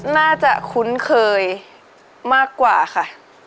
น่าจะคุ้นเคยมากกว่าค่ะ